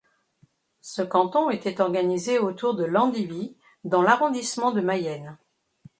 Ce canton était organisé autour de Landivy dans l'arrondissement de Mayenne.